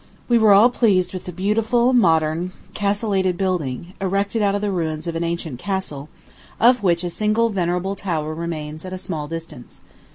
We were all pleased with a beautiful, modern, castellated building, erected out of the ruins of an ancient castle, of which a single venerable tower remains at a small distance.